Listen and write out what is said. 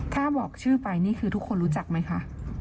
ถ้าบอกชื่อไปนี่คือทุกคนรู้จักไหมคะ